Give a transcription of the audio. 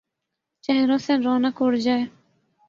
، چہروں سے رونق اڑ جائے ،